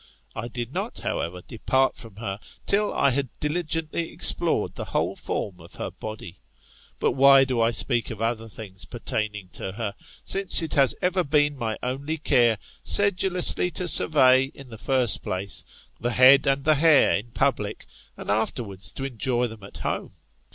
I did not, however, depart from her, till I had diligently explored the whole form of her body. But why do I speak of other things pertaining to her ; since it has ever been my ottfy care, sedulously to survey, in the first place, the head and file hair in public, and afterwards to enjoy them at home